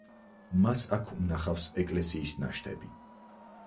მას აქ უნახავს ეკლესიის ნაშთები.